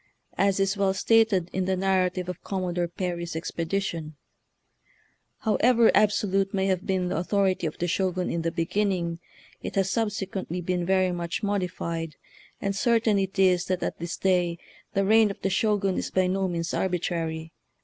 As is well stated in the narrative of Commodore Perry's ex pedition, "However absolute may have been the authority of the Shogun in the beginning, it has subsequently been very much modified; and certain it is that at this day the reign of the Shogun is by no means arbitrary.